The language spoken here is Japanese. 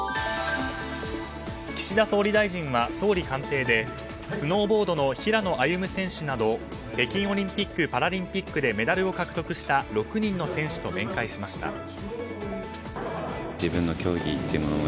岸田総理大臣は総理官邸でスノーボードの平野歩夢選手など北京オリンピック・パラリンピックでメダルを獲得した６人の選手と面会しました。